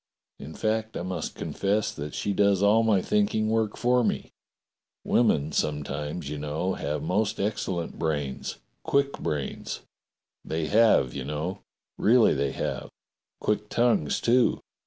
In fact, I must confess that she does all my think ing work for me. Women sometimes, you know, have most excellent brains — quick brains. They have, you know. Really they have. Quick tongues, too.